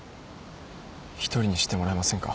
一人にしてもらえませんか？